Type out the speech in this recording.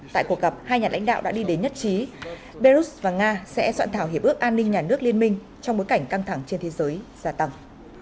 tại cuộc gặp hai nhà lãnh đạo đã đi đến nhất trí belarus và nga sẽ soạn thảo hiệp ước an ninh nhà nước liên minh trong bối cảnh căng thẳng trên thế giới gia tăng